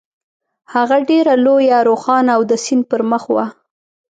هغه ډېره لویه، روښانه او د سیند پر مخ وه.